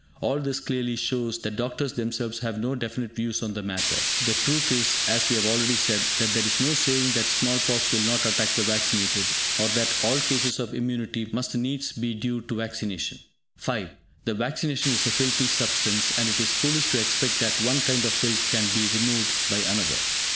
All this clearly shows that doctors themselves have no definite views on the matter. The truth is, as we have already said, that there is no saying that small pox will not attack the vaccinated, or that all cases of immunity must needs be due to vaccination. (5) The vaccine is a filthy substance, and it is foolish to expect that one kind of filth can be removed by another.